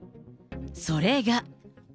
それが。